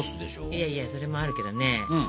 いやいやそれもあるけどね。